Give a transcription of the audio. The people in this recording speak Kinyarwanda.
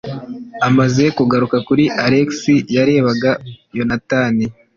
Amaze kugaruka kuri Alex, yarebaga Yonatani.